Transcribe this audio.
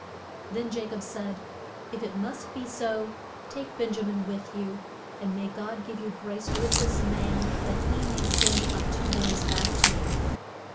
Then Ja cob said, If it must be so, take Ben ja min with you, and may God give you grace with this man that he may send my two boys back to me.